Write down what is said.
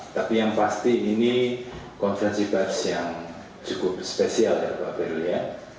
tapi yang pasti ini konferensi pers yang cukup spesial ya pak ferry ya